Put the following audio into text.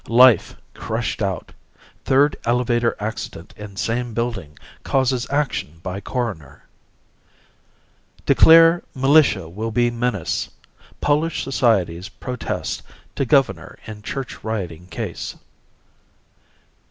"Life Crushed Out. Third Elevator Accident in Same Building Causes Action by Coroner." "Declare Militia will be Menace. Polish Societies Protest to Governor in Church Rioting Case."